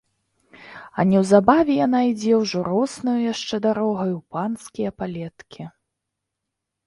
А неўзабаве яна ідзе ўжо роснаю яшчэ дарогаю ў панскія палеткі.